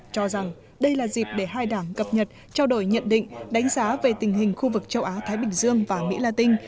cho rằng đây là dịp để hai đảng cập nhật trao đổi nhận định đánh giá về tình hình khu vực châu á thái bình dương và mỹ la tinh